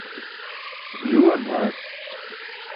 juuwan maar